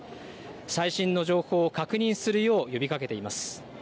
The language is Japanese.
最新の情報を確認するよう呼びかけています。